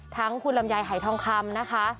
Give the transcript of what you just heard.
ทั้งคุณลำไยหายทองคำนะคะ